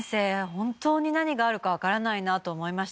本当に何があるかわからないなと思いました